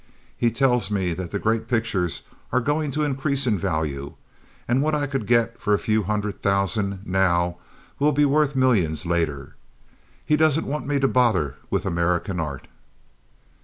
He tells me the great pictures are going to increase in value, and what I could get for a few hundred thousand now will be worth millions later. He doesn't want me to bother with American art."